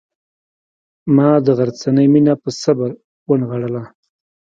ما د غرڅنۍ مینه په صبر ونغاړله.